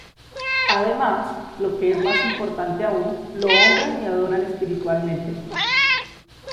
Además, lo que es más importante aún, lo honran y adoran espiritualmente.